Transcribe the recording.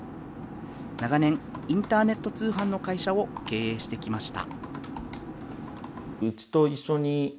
長年、インターネット通販の会社を経営してきました。